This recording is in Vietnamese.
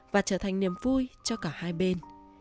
và trở thành niềm vui cho cả hai bên